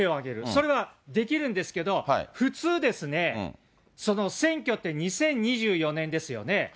それができるんですけれども、普通ですね、その選挙って、２０２４年ですよね。